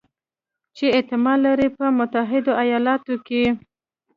چې احتمال لري په متحدو ایالتونو کې